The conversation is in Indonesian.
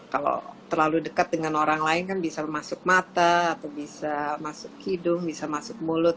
kalau terlalu dekat dengan orang lain kan bisa masuk mata atau bisa masuk hidung bisa masuk mulut